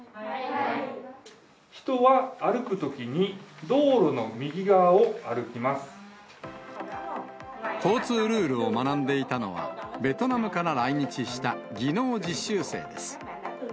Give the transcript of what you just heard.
人は歩くときに、道路の右側交通ルールを学んでいたのは、ベトナムから来日した技能実習生です。